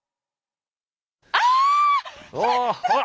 ああ！